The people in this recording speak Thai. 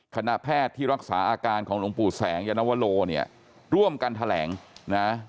คณะแพทย์ที่รักษาอาการของหลวงปู่แสงยานวโลเนี่ยร่วมกันแถลงนะ